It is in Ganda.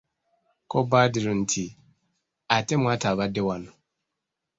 Ko Badru nti:"ate mwattu abadde wano"